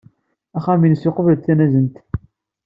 Axxam-nnes iqubel-d tanazent.